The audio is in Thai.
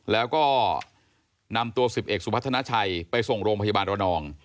แล้วก็นำตัว๑๑สุพัฒนาชัยไปส่งโรงพยาบาลระนอง